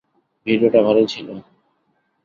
ভিডিওটা ভালোই হয়েছে।